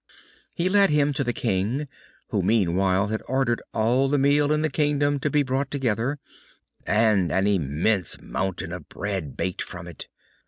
He led him to the King, who meanwhile had ordered all the meal in the Kingdom to be brought together, and an immense mountain of bread baked from it.